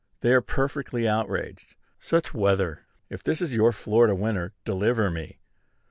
They are perfectly outraged. "Such weather! If this is your Florida winter, deliver me!"